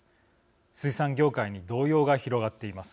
水産業界に動揺が広がっています。